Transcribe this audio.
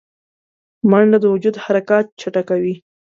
منډه د وجود حرکات چټکوي